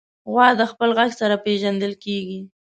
غوا د خپل غږ سره پېژندل کېږي.